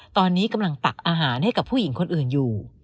ตอนนี้กำลังตักอาหารให้กับผู้หญิงคนอื่นอยู่